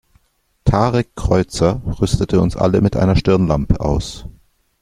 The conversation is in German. Tarek Kreuzer rüstete uns alle mit einer Stirnlampe aus.